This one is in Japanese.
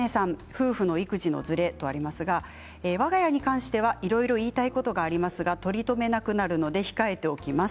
夫婦の育児のずれとありますがわが家に関してはいろいろ言いたいことがありますが取りとめなくなるので控えておきます。